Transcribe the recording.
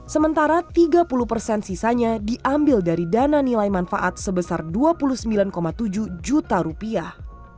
sementara tiga puluh persen sisanya diambil dari dana nilai manfaat sebesar dua puluh sembilan tujuh juta rupiah